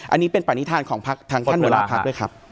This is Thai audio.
อันนี้เป็นปรณิธานของทางท่านเวลาพักด้วยครับ